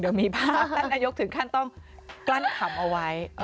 เดี๋ยวมีภาพท่านนายกถึงขั้นต้องกลั้นขำเอาไว้